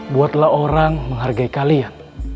buatlah orang menghargai kalian